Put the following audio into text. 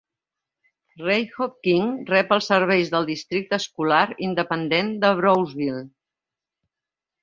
Reid Hope King rep els serveis del Districte Escolar Independent de Brownsville.